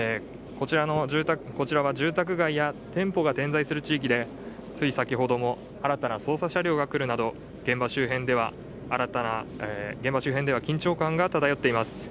こちらは住宅街や店舗が点在する地域で、対先ほども新たな捜査車両が来るなど現場周辺では、緊張感が漂っています。